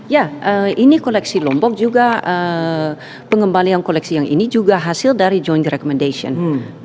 ya ini koleksi lombok juga pengembalian koleksi yang ini juga hasil dari john recommendation